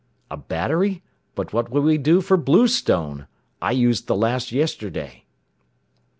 "A battery? But what would we do for bluestone? I used the last yesterday!"